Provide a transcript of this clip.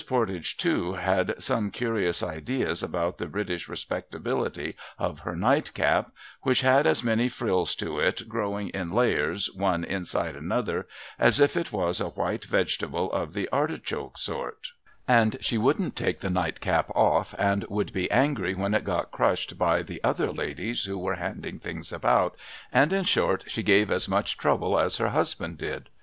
Pordage, too, had some curious ideas about the British re spectability of her nightcap (which had as many frills to it, growing in layers one inside another, as if it was a white vegetable of the artichoke sort), and she wouldn't take the nightcap off, and would be angry when it got crushed by the other ladies who were handing things about, and, in short, she gave as much trouble as her husband did.